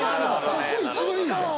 ここ一番いいじゃん。